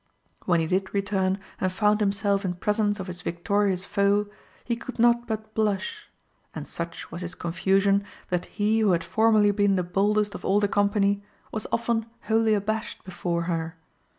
When he did return, and found himself in presence of his victorious foe, he could not but blush; and such was his confusion, that he who had formerly been the boldest of all the company, was often wholly abashed before her.